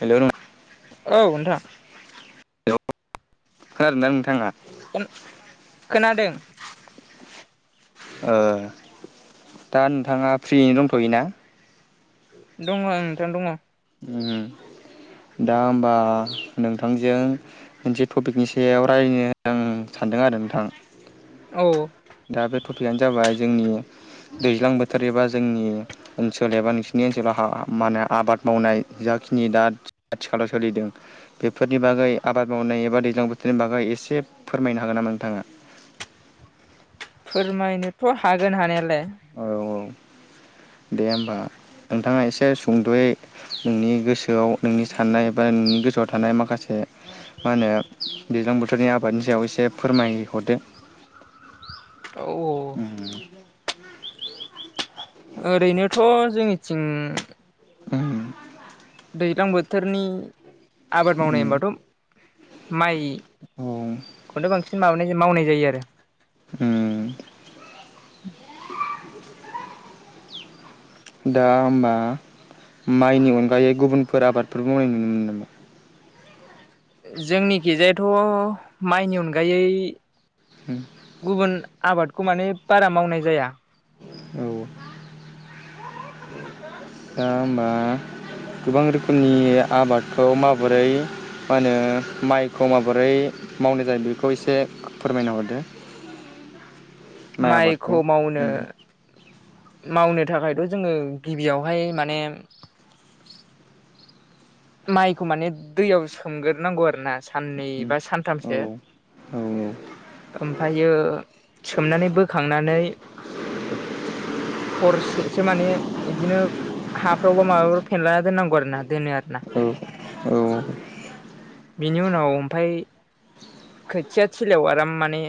Hello नों औ नोंथां। हेलौ खोनादोंना नोंथाङा? अन खोनादों। ओ दा नोंथाङा फ्रियैनो दंथ'योना? दङ ओं नोंथां दङ। उम दा होमबा नोंथांजों मोनसे टपिकनि सायाव रायनो आं सानदों आरो नोंथां। औ दा बे टपिकानो जाबाय जोंनि दैज्लां बोथोर एबा जोंनि ओनसोल एबा नोंसिनि ओनसोलाव हा मानो आबाद मावनाय जाखिनि दा आथिखालाव सोलिदों। बेफोरनि बागै आबाद मावनाय एबा दैज्लां बोथोरनि बागै एसे फोरमायनो हागोन नामा नोंथाङा? फोरमायनोथ' हागोन हानायालाय। औ औ दे होमबा नोंथाङा एसे सुंद'यै। नोंनि गोसोआव नोंनि साननाय बा नोंनि गोसोआव थानाय माखासे मा होनो दैज्लां बोथोरनि आबादनि सायाव एसे फोरमाय हरदो। औ ओ ओरैनोथ' जोंनिथिं ओङो दैज्लां बोथोरनि आबाद मावनाय होनबाथ' माइ औ खौनो बांसिन माबानाय मावनाय जायो आरो। उम दा होमबा माइनि अनगायै गुबुनफोर आबादफोर मावनाय नुनो मोनो नामा? ओ जोंनि खिजायाथ' माइनि अनगायै उम गुबुन आबादखौ माने बारा मावनाय जाया। औ दा होमबा गोबां रोखोमनि आबादखौ माबोरै मा होनो माइखौ माबोरै मावनाय जायो। बेखौ एसे फोरमायना हरदो। माइ माइखौ आबादखौ मावनो उम। मावनो थाखायथ' जोङो गिबियावहाय माने। माइखौ माने दैयाव सोमगोर नांगौ आरो ना। साननै बिनि बा सानथामसो। ओमफायो सोमनानै बोखांनानै हरसेसो माने इदिनो हाफ्रावबो माबाफोर फेनलाना दोननांगौ आरोना दोनो आरो ना। ओ औ बिनि उनाव ओमफाय खोथिया थिलायाव आराम माने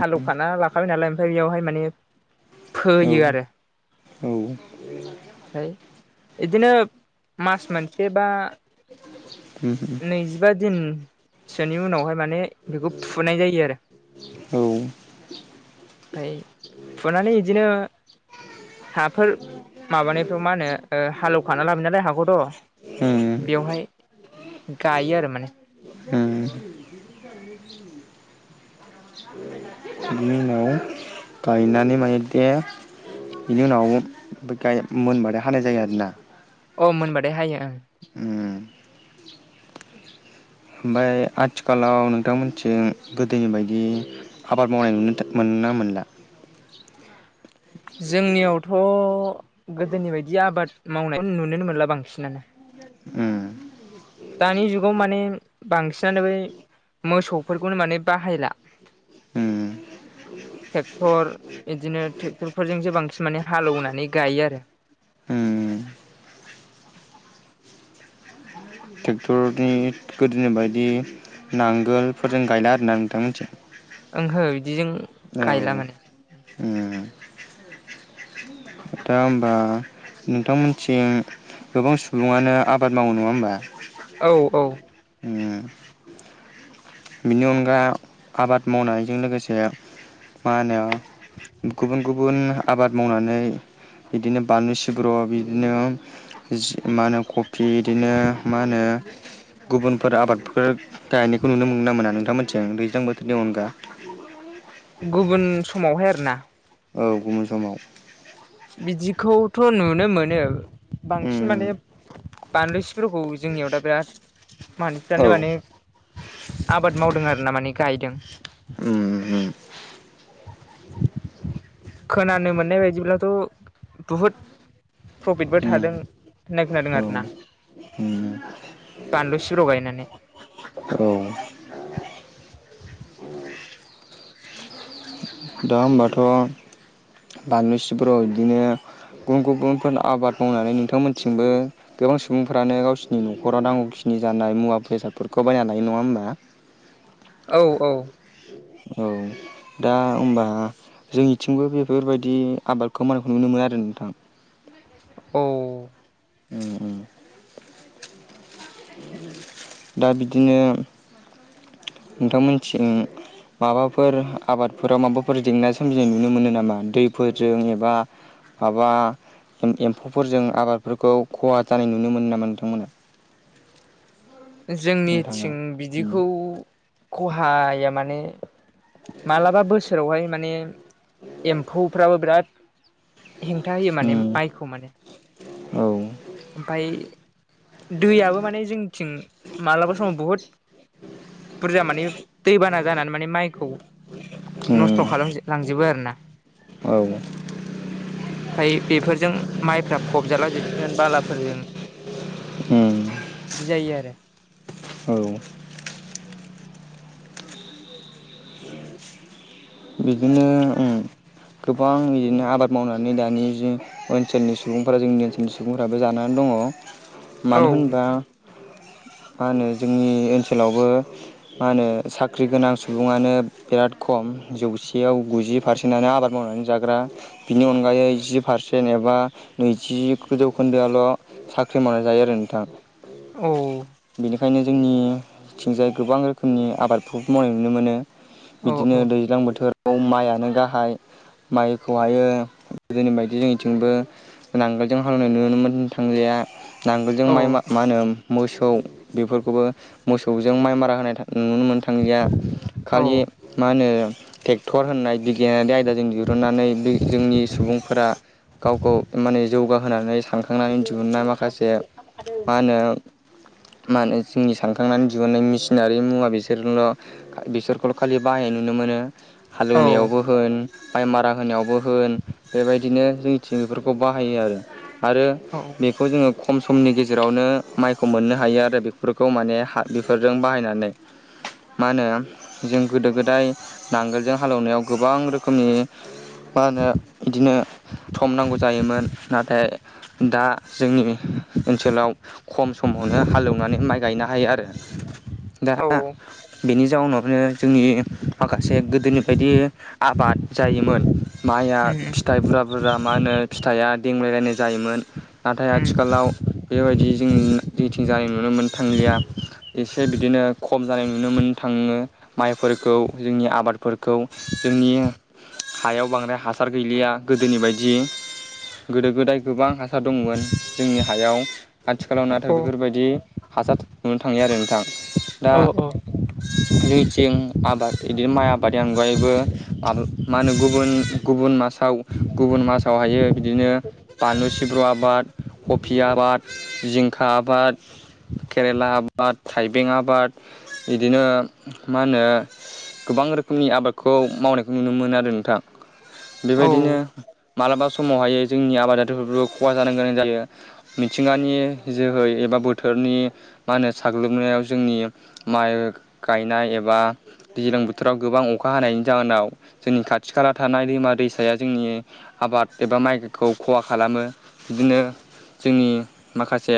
हालौवखाना लाखाबाय नालाय ओमफ्राय बेयावहाय माने। फोयो आरो फाय इदिनो मास मोनसे बा उम हो नैजिबा दिनसोनि उनावहाय माने बेखौ फुनाय जायो आरो। फाय फुनानै इदिनो हाफोर माबानिफ्राव मा होनो ओ हालौखाना लाबो नालाय हाखौथ' बेवहाय गायो आरो माने। उम। बिनि उनाव गायनानै माने दे बिनि उनाव बे गाय मोनबाथाय हानाय जायो आरोना। अ मोनबाथाय हायो ओं। उम। ओमफाय आथिखालाव नोंथांमोनथिं गोदोनि बायदि आबाद मावनाय नुनो मोनथो मोननो मोनला जोंनियावथ' गोदोनि बायदि आबाद मावनाय [unintelligible] नुुनोनो मोनला बांसिनानो उम दानि जुगाव माने बांसिनानो बै मोसौफोरखौनो माने बाहायला उम। थेक्थर इदिनो थेक्थरफोरजोंसो बांसिन माने हालेवनानै गायो आरो। थेक्थरनि गोदोनि बायदि नांगोलफोरजों गायला आरोना नोंथांमोन्थिं ओंहो इदिजों गायला माने उम दा ओमबा नोंथांमोनथिं गोबां सुबुङानो आबाद मावो नङा होमबा? औ औ उम। बेनि अनगा आबाद मावनायजों लोगोसे मा होनो [unintelligible] गुबुन गुबुन आबाद मावनानै बिदिनो बानलु सिब्र' बिदिनो जि मा होनो खफि इदिनो मा होनो गुबुनफोर आबादफोर गायनायखौ नुनो मोनो ना मोना नोंथांमोनथिं दैज्लां बोथोरनि अनगा? गुबुन समावहाय आरोना। औ गुबुन समाव बिदिखौथ' नुनो मोनो। बांसिन उम माने बानलौ सिब्रखौ जोंनियाव दा बेराद औ मानसिफ्रानो माने आबाद मावदों आरो ना माने गायदों। उम उम। खोनानो मोननाय बायदिब्लाथ' बुहुद प्रफिटबो थादों होननाय खोनादों आरो ना। होम बानलु सिब्र गायनानै औ दा होमबाथ' बानलु सिब्रआ इदिनो गुबुन गुबुनफोन आबाद मावनानै नोंथांमोनथिंबो गोबां सुबुंफ्रानो गावसिनि न'खराव नांगौखिनि जानाय मुवा बेसादफोरखौ बायना लायो नङा होमबा? औ औ औ दा ओमबा जोंनिथिंबो बेफोरबायदि आबादखौ मायखौनो नुनो मोना आरो नोंथां। औ। उम उम। दा बिदिनो नोंथांमोननिथिं माबाफोर आबादफोराव माबाफोर जेंना सोमजिनाय नुनो मोनो नामा दैफोरजों एबा माबा एम एम्फौफोरजों आबादफोरखौ खहा जानाय नुनो मोनो नामा नोंथांमोना? [unintelligible] नोंथाङा जोंनिथिं उम बिदिखौ खहाया माने मालाबा बोसोरावहाय माने एम्फौफ्राबो बिराद हेंथा होयो माने उम माइखौ माने [unintelligible] औ। ओमफफ्राय दैयाबबो माने जों थिं मालाबा समाव बुहुद बुरजा माने दैबाना जानानै माने माइखौ नस्थ' उम खालाम लांजोबो आरोना। औ ओमफफ्राय बेफोरजों माइफ्रा फबजाला जोबसिगोन बालाफोरजों उम। बिदि जायो आरो। औ। बिदिनो गोबां बिदिनो आबाद मावनानै दानि ज ओनसोलनि सुबुंफोरा जोंनि ओनसोलनि सुबुंफ्राबो जानानै दङ औ मानो होनबा मा होनो जोंनि ओनसोलावबो मा होनो साख्रि गोनां सुबुङानो बिराद खम जौसेयाव गुजि पारसेन्टनो आबाद मावनानै जाग्रा बिनि अनगायै जि पारसेन्ट एबा नैजि जौखोन्दोआल' साख्रि मावनाय जायो आरो नोंथां। औ बेनिखायनो जोंनिथिंजाय गोबां रोखोमनि आबादफोरखौ मावनाय नुनो मोनो औ बिदिनो दैज्लां बोथोराव माइआनो गाहाय। माइखौहायो गोदोनि बायदि जोंनिथिंबो नांगोलजों हालेवनाय नुनो मोन थांजाया नांगोलजों औ माइ मा होनो मोसौ बेफोरखौबो मोसौजों माइ मारा होनाय था नुनो मोन थांलिया औ खालि मा होनो ट्रेक्टर होननाय बिगियानारि आयदाजों दिरुननानै बे जोंनि सुबुंफोरा गावखौ माने जौगाहोनानै सानखांनानै दिहुुननाय माखासे मा होनो मा होनो जोंनि सानखांनानै दिहुननाय मेसिनारि मुवा बिसोरजोंल' बिसोरखौल' खालि बाहाय नुनो मोनो औ हालेवनायावबो होन माइ मारा होनायावबो होन बेबायदिनो जोंनिथिं बेफोरखौ बाहायो आरो आरो औ बेखौ जोङो खम समनि गेजेरावनो माइखौ मोननो हायो आरो बेफोरखौ माने हा बेफोरजों बाहायनानै मा होनो जों गोदो-गोदाय नांगोलजों हालेवनायाव गोबां रोखोमनि मा होनो बिदिनो सम नांगौ जायोमोन। नाथाय दा जोंनि ओनसोलाव खम समावनो हालेवनानै माइ गायनो हायो आरो। दा औ बेनि जाउनावनो जोंनि माखासे गोदोनि बायदि आबाद जायोमोन माइया उम फिथाइ बुरा बुरजा मा होनो फिथाइआ देमग्लायलायनाय जायोमोन। नाथाय उम आथिखालाव बेबायदि जों जिटिं जानाय नुनो मोन थांलिया। एसे बिदिनो खम जानाय नुनो मोन थाङो माइफोरखौ जोंनि आबादफोरखौ जोंनि हायाव बांद्राय हासार गैलिया गोदोनि बायदि गोदो-गोदाय गोबां हासार दंमोन जोंनि हायाव। आथिखालाव नथाय औ बेफोरबायदि हासार नुनो थांलिया आरो नोंथां। औ औ लुथिं आबाद बिदिनो माइ आबादनि अनगायैबो माब मा होनो गुबुन गुबुन मासाव गुबुन मासावहायो बिदिनो बानलु सिब्र आबाद, कबि आबाद, जिंखा आबाद केरेला आबाद, थाइबें आबाद, बिदिनो मा होनो गोबां रोखोमनि आबादखौ मावनायखौ नुनो मोनो आरो नोंथां। औ बेबायदिनो मालाबा समावहायो जोंनि आबादारिफोरबो खहा जानो गोनां जायो। मिथिंगानि जोहै एबा बोथोरनि मा होनो साग्लोबनायाव जोंनि माइ गायनाय एबा दैज्लां बोथोराव गोबां अखा हानायनि जाहोनाव जोंनि खाथि-खाला थानाय दैमा-दैसाया जोंनि आबाद एबा माइखौ खहा खालामो बिदिनो जोंनि माखासे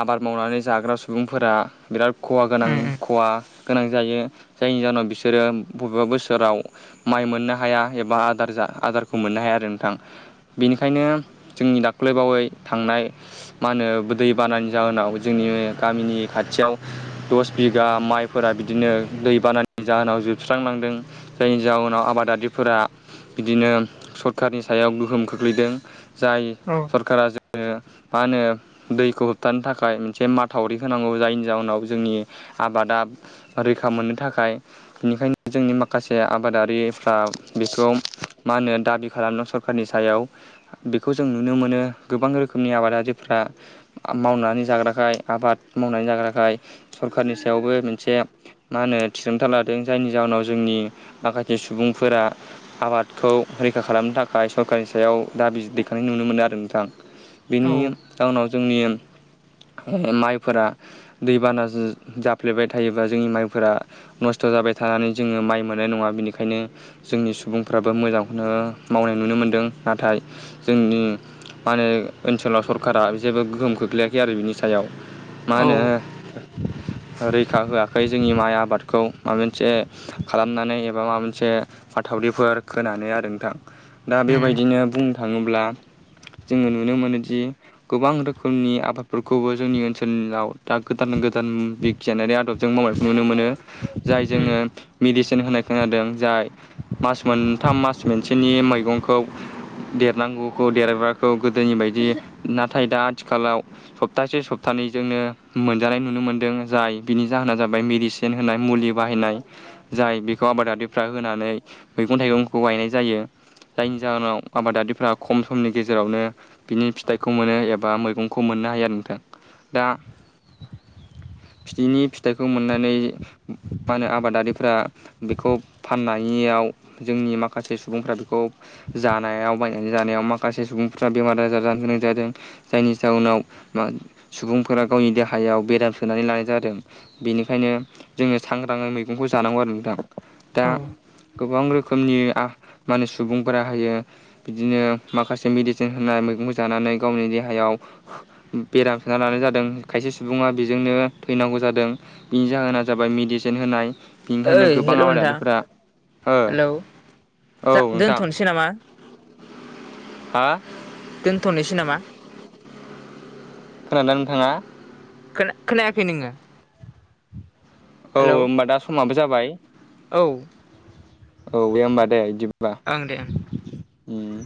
आबाद मावनानै जाग्रा सुबुंफोरा बिराद खहा गोनां उम खहा गोनां जायो जायनि जाहोनाव बिसोरो बबेबा बोसोराव माइ मोननो हाया एबा आदार जा आदारखौ मोननो हाया आरो नोंथां बेनिखायनो जोंनि दाख्लै बावै थांनाय मा होनो दैबानानि जाहोनाव जोंनि गामिनि खाथियाव दस बिगा माइफोरा बिदिनो दैबानानि जाहोनाव जोबस्रांलांदों जायनि जाहोनाव आबादारिफोरा बिदिनो सरखारनि सायाव गोहोम खोख्लैदों जाय औ सरखारा जोंनो मा होनो दैखौ होबथानो थाखाय मोनसे माथावरि होनांगौ जायनि जााहोनाव जोंनि आबादा रैखा मोननो थाखाय बेनिखायनो जोंनि माखासे आबादारिफ्रा बेखौ मा होनो दाबि खालामदों सरखारनि सायाव बेखौ जों नुनो मोनो गोबां रोखोमनि आबादारिफ्रा मावनानै जाग्राखाय आबाद मावनानै जाग्राखाय सरखारनि सायावबो मोनसे मा होनो थिरांथा लादों जायनि जााहोनाव जोंनि माखासे सुबुंफोरा आबादखौ रैखा खालामनो थाखाय सरखारनि सायाव दाबि दैखांनाय नुनो मोनो आरो नोंथां बेनि औ जाउनाव जोंनि माइफोरा दैबाना जाफ्लेबाय थायोबा जोंनि माइफोरा नस्थ' जाबाय थानानै जोङो माइ मोननाय नङा बेनिखायनो जोंनि सुबुंफ्राबो मोजांखौनो मावनाय नुनो मोनदों नाथाय जोंनि मा होनो ओनसोलाव सरखारा जेबो गोहोम खोख्लैाखै आरो बिनि सायाव मा औ होनो रैखा होआखै जोंनि माइ आबाद- खौ माबा मोनसे खालामनानै एबा माबा मोनसे माथावरिफोर खोनानै आरो नोंथां दा उम बेबायदिनो बुंनो थाङोब्ला जोङो नुनो मोनोदि गोबां रोखोमनि आबादफोरखौबो जोंनि ओनसोलाव दा गोदान गोदान बि गियानारि आदबजों मावनायखौ नुनो मोनो जाय जोङो मेडिसिन होनाय खोनादों जाय मास मोनथाम मास मोनसेनि मैगंखौ देरनांगौखौ देरग्राखौ गोदोनि बायदि नाथाय दा आथिखालाव सप्तासे सप्तानै जोंनो मोनजानाय नुनो मोन्दों जाय बिनि जाहोना जाबाय मेदिसि सिन होनाय मुलि बाहायनाय जाय बेखौ आबादारिफ्रा होनानै मैगं थाइगंखौ गायनाय जायो जायनि जाहोनाव आबादारिफ्रा खम समनि गेजेरावनो बिनि फिथाइखौ मोनो एबा मैगंखौ मोननो हायो आरो नोंथां दा बिनि फिथाइखौ मोननानै मा होनो आबादारिफ्रा बेखौ फाननायाव जोंनि माखासे सुबुंफ्रा बेखौ जानायाव बायनानै जानायाव माखासे सुबुंफ्रा बेमार आजार जानो गोनां जादों जायनि जाउनाव सुबुंफोरा गावनि देहायाव बेराम सोनानै लानाय जादों बेनिखायनो जोङो सांग्राङै मैगंखौ जानांगौ आरो नोंथां दा औ गोबां रोखोमनि माने सुबुंफोरा हायो बिदिनो माखासे मेडिसिन होननाय मैगंखौ जानानै गावनि देहायाव बेराम सोना लानाय जादों खायसे सुबुङा बेजोंनो थैनांगौ जादों बेनि जाहोना जाबाय मेडिसिन होनाय। बेनिखायनो ओइ गोबां हेल' नोंथां आबादारिफोरा ओ हेलौ औ जा नोंथां। दोनथ'नोसै नामा हा? दोनथ'नोसै नामा? खोनादोंना नोंथाङा? खोना खोनायाखै नोंङो? औ औ होमबा दा समाबो जाबाय। औ। औ दे होनोमबा दे बिदिबा। ओं दें ओं। उम